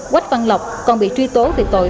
quách văn lộc còn bị truy tố vì tội